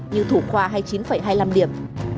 như thủ khoa hay chín hai mươi năm điểm